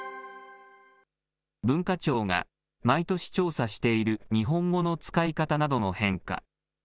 文化庁が、毎年調査している日本語の使い方などの変化。